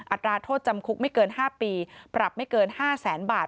อัตราโทษจำคุกไม่เกิน๕ปีปรับไม่เกิน๕แสนบาท